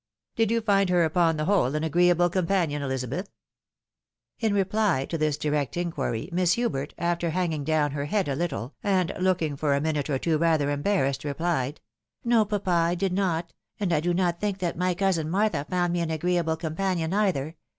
" Did you find her upon the whole an agreeable companion, Ehzabeth?" In reply to this direct inquiry, Miss Hubert, after hanging down her head a little, and looking for a minute or two rather embarrassed, replied, " No, papa, I did not ; and I do not think that my cousin Martha found me an agreeable companion either.